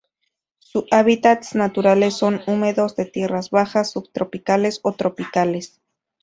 Su hábitats naturales son húmedos de tierras bajas subtropicales o tropicales.